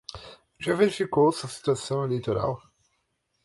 Já verificou sua situação eleitoral?